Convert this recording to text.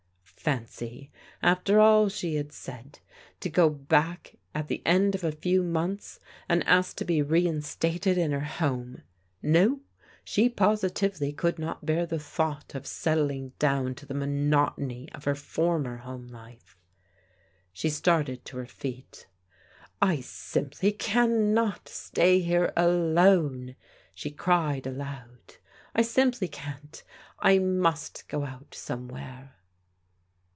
Fancy, after all she had said, to go back at the end of a few months and ask to be reinstated in her home ! No, she positively could not bear the thought of settling down to the monotony of her former home life. She started to her feet. " I simply cannot stay here alone," she cried aloud. "I simply can't! I must go out somewhere."